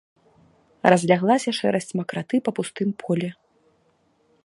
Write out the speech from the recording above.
Разляглася шэрасць макраты па пустым полі.